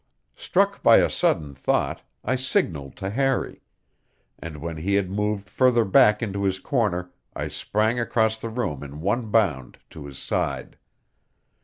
Struck by a sudden thought, I signaled to Harry; and when he had moved further back into his corner I sprang across the room in one bound to his side.